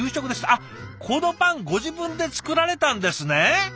あっこのパンご自分で作られたんですね。